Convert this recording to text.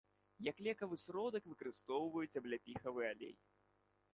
Як лекавы сродак выкарыстоўваюць абляпіхавы алей.